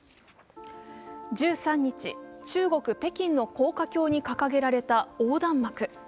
１３日、中国・北京の高架橋に掲げられた横断幕。